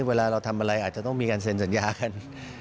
เวลาเราทำอะไรอาจจะต้องมีการเซ็นสัญญากัน